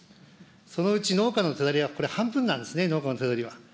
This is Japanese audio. そのうち農家の手取りはこれ、半分なんですね、農家の手取りは。